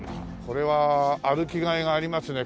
これは歩きがいがありますね